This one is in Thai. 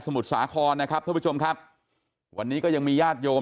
มุทรสาครนะครับท่านผู้ชมครับวันนี้ก็ยังมีญาติโยม